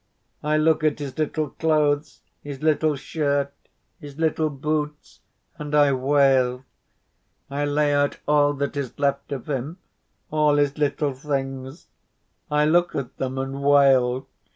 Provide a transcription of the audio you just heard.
I look at his little clothes, his little shirt, his little boots, and I wail. I lay out all that is left of him, all his little things. I look at them and wail.